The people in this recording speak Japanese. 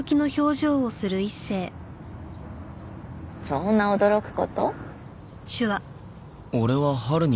そんな驚く事？